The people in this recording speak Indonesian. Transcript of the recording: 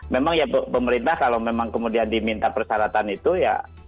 memang ya pemerintah kalau memang kemudian diminta persyaratan itu ya